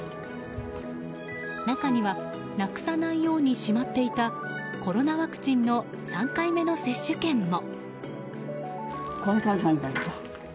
中にはなくさないようにしまっていたコロナワクチンの３回目の接種券も。